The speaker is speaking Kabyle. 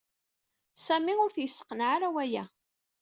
Sami ur t-yesseqneɛ ara waya.